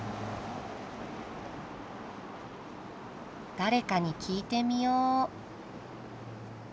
誰かに聞いてみよう。